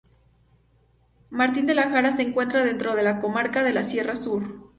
Martín de la Jara se encuentra dentro de la comarca de la Sierra Sur.